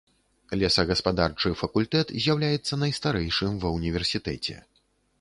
Лесагаспадарчы факультэт з'яўляецца найстарэйшым ва ўніверсітэце.